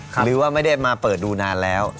หรือว่าไม่ได้มาเปิดดูนานแล้ว